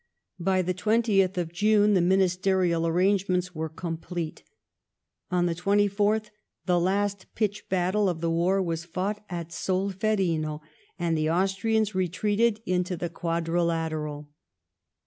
By the 30th of June the ministerial arrangements were complete ; on the 24th the last pitched battle of the war was fought at Sol ferine, and the Austrians retreated into the Quadri lateral.